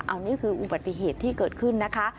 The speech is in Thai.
อันนี้คืออุบัติเหตุที่เกิดขึ้นนะคะ